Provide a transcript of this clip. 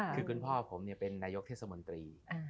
คือคุณพ่อผมเป็นนายกเทศมนตรี